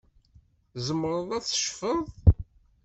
Tzemreḍ ad tecfeḍ.